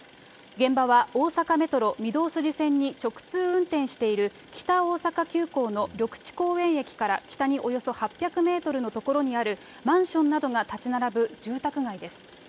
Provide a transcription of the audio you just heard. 現場は大阪メトロ御堂筋線に直通運転している北大阪急行の緑地公園駅から北におよそ８００メートルの所にあるマンションなどが建ち並ぶ住宅街です。